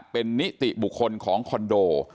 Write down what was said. เป็นนิติบุคคลของคอนโด